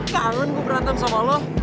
kangen gue berantem sama lu